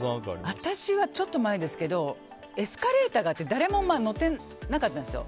私はちょっと前ですけどエスカレーターがあって誰も乗ってなかったんですよ。